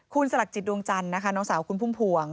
คุณสลักจิตดวงจันทร์นะคะน้องสาวคุณพุ่มพวง